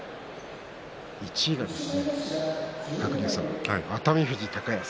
１位が熱海富士、高安。